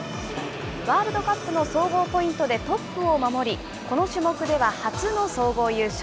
ワールドカップの総合ポイントでトップを守り、この種目では初の総合優勝。